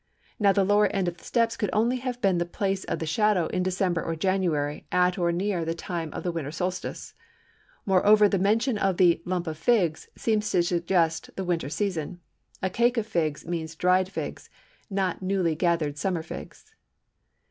Now the lower end of the steps could only have been the place of the shadow in December or January at or near the time of the winter solstice. Moreover the mention of the "lump of figs" seems to suggest the winter season. A cake of figs means dried figs, not newly gathered summer figs.